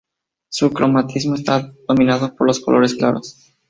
Su cromatismo está dominado por los colores claros.